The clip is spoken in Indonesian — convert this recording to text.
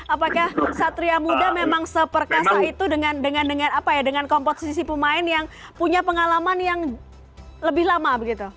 apakah satria muda memang seperkasa itu dengan komposisi pemain yang punya pengalaman yang lebih lama begitu